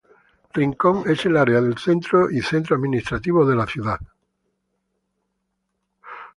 Rincón es el área del centro y el centro administrativo de la ciudad.